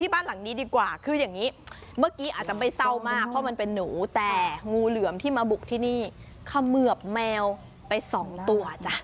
บ้านหลังนี้ดีกว่าคืออย่างนี้เมื่อกี้อาจจะไม่เศร้ามากเพราะมันเป็นหนูแต่งูเหลือมที่มาบุกที่นี่เขมือบแมวไปสองตัวจ้ะ